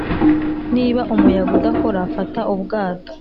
niba umuyaga udakora, fata ubwato